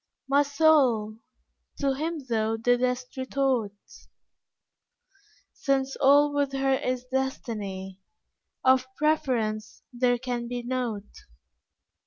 My soul! to Him thou didst retort "Since all with her is destiny, Of preference there can be nought.